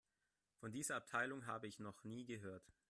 Von dieser Abteilung habe ich noch nie gehört.